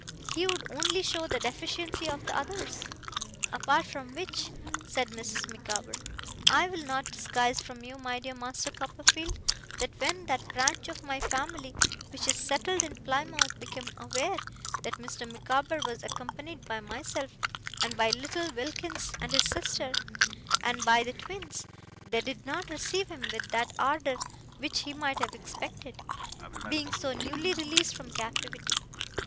He would only show the deficiency of the others. Apart from which,' said Mrs. Micawber, 'I will not disguise from you, my dear Master Copperfield, that when that branch of my family which is settled in Plymouth, became aware that Mr. Micawber was accompanied by myself, and by little Wilkins and his sister, and by the twins, they did not receive him with that ardour which he might have expected, being so newly released from captivity.